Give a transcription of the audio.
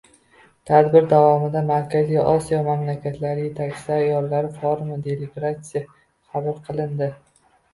Tadbir davomida Markaziy Osiyo mamlakatlari yetakchi ayollari forumi deklaratsiyasi qabul qilindi